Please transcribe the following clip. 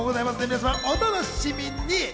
皆さん、お楽しみに。